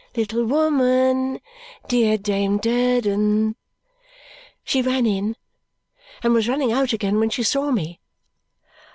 Little woman, dear Dame Durden!" She ran in, and was running out again when she saw me.